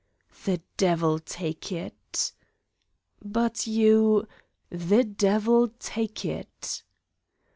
"The devil take it!" "But you " "The devil take it!"